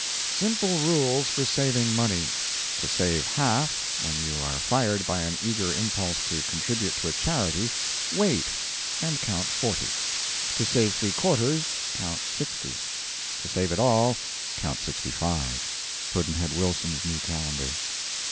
Simple rules for saving money: To save half, when you are fired by an eager impulse to contribute to a charity, wait, and count forty. To save three quarters, count sixty. To save it all, count sixty five. Pudd'nhead Wilson's New Calendar.